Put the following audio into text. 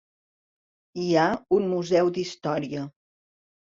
Hi ha un museu d'història.